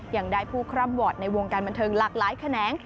ยังได้ผู้คร่ำวอร์ดในวงการบันเทิงหลากหลายแขนง